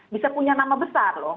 bisa punya nama besar loh